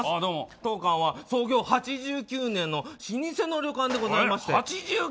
当館は創業８９年の老舗の旅館でございまして。